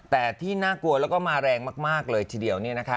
แต่ที่น่ากลัวแล้วก็มาแรงมากเลยทีเดียว